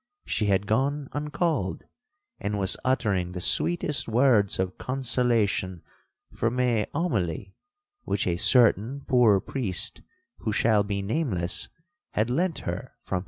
She had gone uncalled, and was uttering the sweetest words of consolation from a homily, which a certain poor priest, who shall be nameless, had lent her from his humble store.'